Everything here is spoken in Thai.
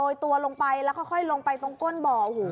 โรยตัวลงไปเลยลงไปตรงก้นบ่อ